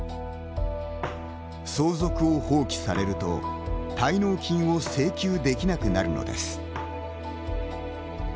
相続を放棄されると、滞納金を請求できなくなるのです。